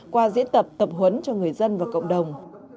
qua diễn tập tập huấn cho người dân và cộng đồng